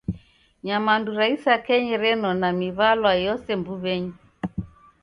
Nyamandu ra isakenyi renona miw'alwa yose mbuw'enyi.